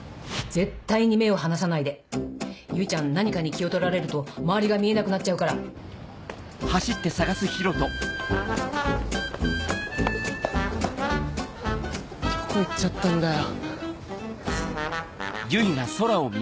絶対に目を離さないで結ちゃん何かに気を取られると周りが見えなくなっちゃうからどこ行っちゃったんだよ。